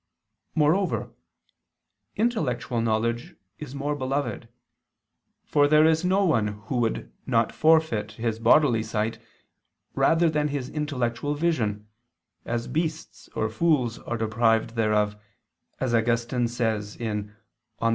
Moreover intellectual knowledge is more beloved: for there is no one who would not forfeit his bodily sight rather than his intellectual vision, as beasts or fools are deprived thereof, as Augustine says in De Civ.